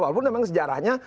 walaupun memang sejarahnya